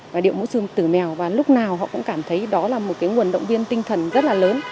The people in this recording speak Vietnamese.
và điệu múa sư tử mèo và lúc nào họ cũng cảm thấy đó là một cái nguồn động viên tinh thần rất là lớn